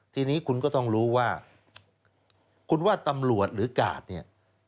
ทีนี้คุณก็ต้องรู้ว่าคุณว่าตำรวจหรือกาดเนี่ย